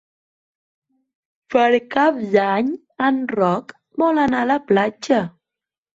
Per Cap d'Any en Roc vol anar a la platja.